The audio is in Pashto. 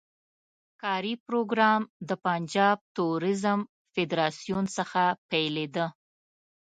کاري پروګرام د پنجاب توریزم فدراسیون څخه پیلېده.